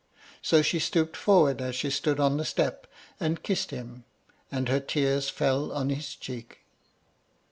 So she stooped forward as she stood on the step, and kissed him, and her tears fell on his cheek.